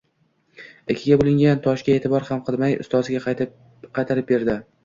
Ikkiga boʻlingan toshga eʼtibor ham qilmay, ustoziga qaytarib berdi